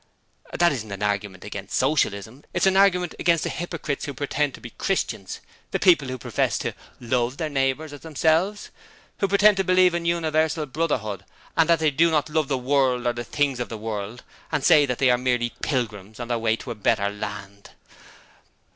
That isn't an argument against Socialism it's an argument against the hypocrites who pretend to be Christians the people who profess to "Love their neighbours as themselves" who pretend to believe in Universal Brotherhood, and that they do not love the world or the things of the world and say that they are merely "Pilgrims on their way to a better land".